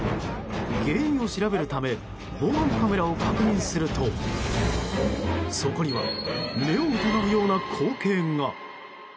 原因を調べるため防犯カメラを確認するとそこには目を疑うような光景が。